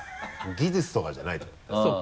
技術とかじゃないと思う。